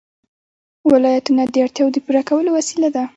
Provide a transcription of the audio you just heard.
ولایتونه د اړتیاوو د پوره کولو وسیله ده.